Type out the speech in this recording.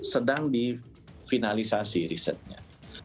sekarang di finalisasi risetnya